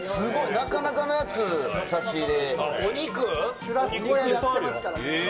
なかなかのやつ、差し入れ。